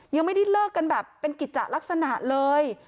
ยังไม่ได้เลิกกันแบบเป็นกิจจะลักษณะเลย